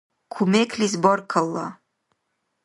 Кумеклис баркалла!